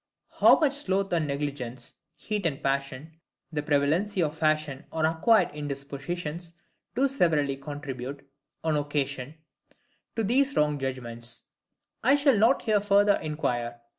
How much sloth and negligence, heat and passion, the prevalency of fashion or acquired indispositions do severally contribute, on occasion, to these wrong judgments, I shall not here further inquire.